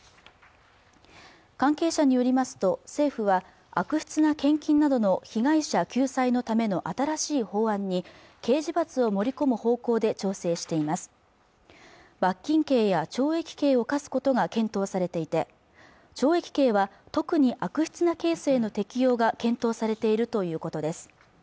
関係者によりますと政府は悪質な献金などの被害者救済のための新しい法案に刑事罰を盛り込む方向で調整しています罰金刑や懲役刑を科すことが検討されていて懲役刑は特に悪質なケースへの適用が検討されているということです